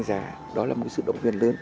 mà em lại không làm được